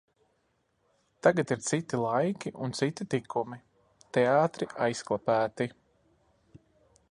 Tagad ir citi laiki un citi tikumi – teātri aizklapēti.